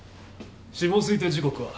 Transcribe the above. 死亡推定時刻は？